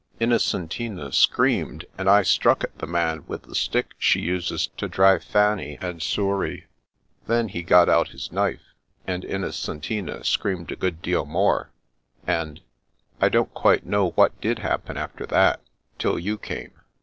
Inno centina screamed, and I struck at the man With the stick she uses to drive Fanny and Souris. Then he got out his knife, and Innocentina screamed a good deal more, and — I don't quite know what did hap pen after that, till you came."